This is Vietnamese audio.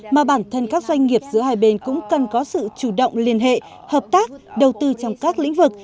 mà bản thân các doanh nghiệp giữa hai bên cũng cần có sự chủ động liên hệ hợp tác đầu tư trong các lĩnh vực